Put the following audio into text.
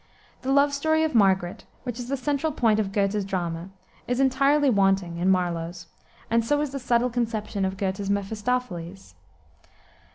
The love story of Margaret, which is the central point of Goethe's drama, is entirely wanting in Marlowe's, and so is the subtle conception of Goethe's Mephistophiles.